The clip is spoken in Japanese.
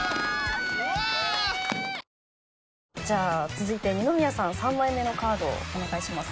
続いて二宮さん３枚目のカードをお願いします。